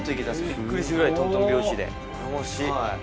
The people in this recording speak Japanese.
びっくりするぐらいとんとん拍子で。